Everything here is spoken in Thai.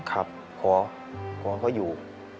ครับขอก็อยู่